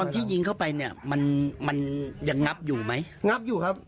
ที่ยิงเข้าไปเนี่ยมันมันยังงับอยู่ไหมงับอยู่ครับ